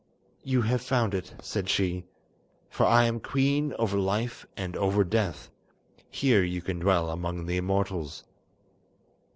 "You have found it," said she, "for I am queen over life and over death. Here you can dwell among the immortals."